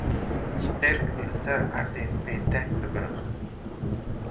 Stêrk li ser erdên bêdeng dibiriqîn.